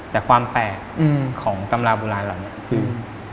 แต่ความแปลกของตำราโบราณแหล่งแหละก็คือ